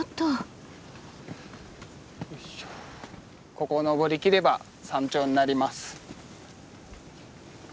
ここを登りきれば山頂になります。